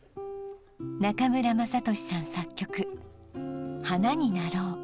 中村雅俊さん作曲「花になろう」